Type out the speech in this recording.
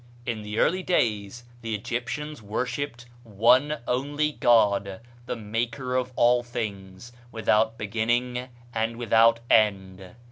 "In the early days the Egyptians worshipped one only God, the maker of all things, without beginning and without end.